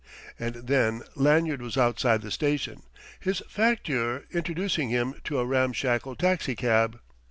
And then Lanyard was outside the station, his facteur introducing him to a ramshackle taxicab.